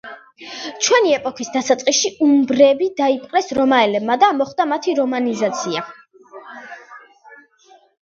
ჩვენი ეპოქის დასაწყისში უმბრები დაიპყრეს რომაელებმა და მოხდა მათი რომანიზაცია.